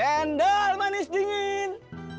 cendol manis dingin